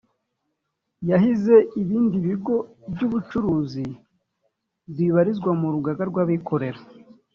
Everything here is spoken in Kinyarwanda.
yahize ibindi bigo by’ubucuruzi bibarizwa mu rugaga rw’abikorera